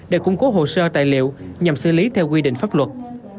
để củng cố hồ sơ tài liệu nhằm xử lý theo quy định pháp luật